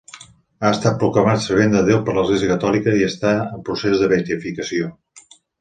Ha estat proclamat Servent de Déu per l'Església catòlica i està en procés de beatificació.